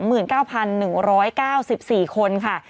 อยู่ที่๒๙๑๙๔คนค่ะ